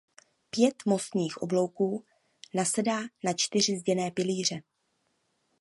Pět mostních oblouků nasedá na čtyři zděné pilíře.